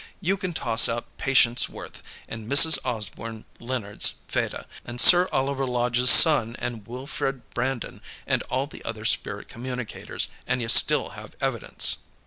You can toss out Patience Worth, and Mrs. Osborne Leonard's Feda, and Sir Oliver Lodge's son, and Wilfred Brandon, and all the other spirit communicators, and you still have evidence."